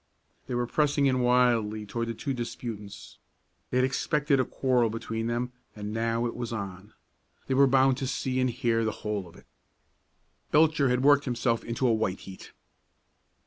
They were pressing in wildly toward the two disputants. They had expected a quarrel between them, and now it was on. They were bound to see and hear the whole of it. Belcher had worked himself into a white heat.